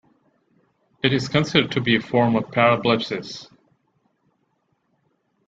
It is considered to be a form of parablepsis.